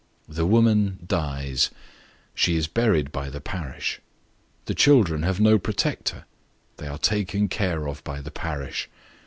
Tho woman dies she is buried by the parish. The children have no pro tector they are taken care of by the parish.